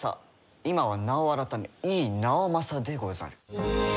今は名を改め井伊直政でござる。